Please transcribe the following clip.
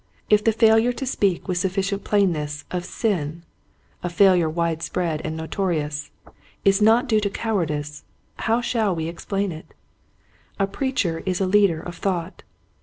If the failure to speak with sufficient plainness of sin — a failure widespread and notorious — is not due to cowardice, how shall we explain it } A preacher is a leader of thought.